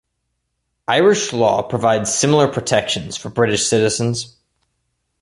Irish law provides similar protections for British citizens.